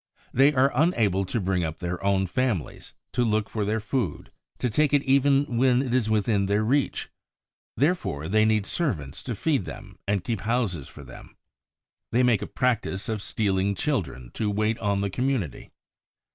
They are unable to bring up their own families, to look for their food, to take it even when it is within their reach. Therefore they need servants to feed them and keep house for them. They make a practice of stealing children to wait on the community.